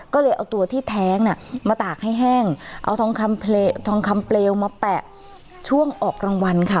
ก็เลยเอาตัวที่แท้งมาตากให้แห้งเอาทองคำทองคำเปลวมาแปะช่วงออกรางวัลค่ะ